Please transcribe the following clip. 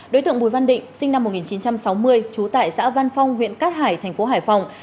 đối tượng bùi văn định sinh năm một nghìn chín trăm sáu mươi trú tại xã văn phong huyện cát hải thành phố hải phòng